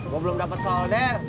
gua belum dapat solder